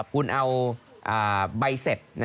คุณเอาใบเสร็จ